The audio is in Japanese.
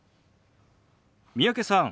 三宅さん